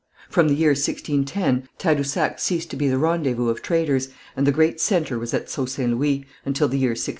From the year 1610, Tadousac ceased to be the rendezvous of traders, and the great centre was at Sault St. Louis, until the year 1618.